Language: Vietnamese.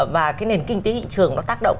và cái nền kinh tế thị trường nó tác động